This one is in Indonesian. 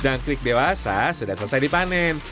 jangkrik dewasa sudah selesai dipanen